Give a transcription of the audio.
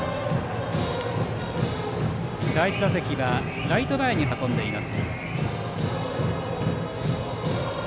第１打席はライト前に運んでいます。